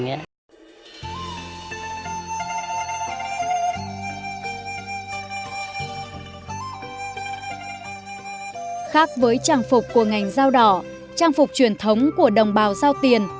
khác với trang phục của ngành dao đỏ trang phục truyền thống của đồng bào giao tiền